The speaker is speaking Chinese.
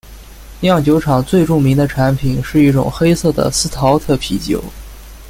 酿酒厂最著名的产品是一种黑色的司陶特啤酒。